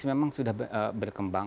memang sudah berkembang